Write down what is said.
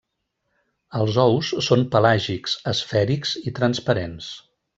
Els ous són pelàgics, esfèrics i transparents.